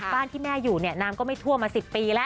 บ้านที่แม่อยู่เนี่ยน้ำก็ไม่ท่วมมาสิบปีแล้ว